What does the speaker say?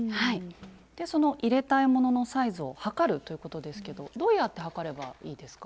その入れたいもののサイズを測るということですけどどうやって測ればいいですか？